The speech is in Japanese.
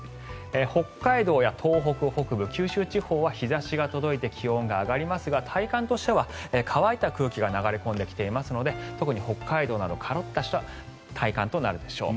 北海道や東北北部九州地方は日差しが届いて気温が上がりますが体感としては乾いた空気が流れ込んできているので特に北海道などカラッとした体感となるでしょう。